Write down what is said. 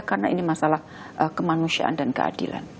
karena ini masalah kemanusiaan dan keadilan